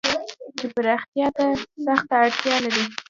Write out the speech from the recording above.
چې پراختيا ته سخته اړتيا لري.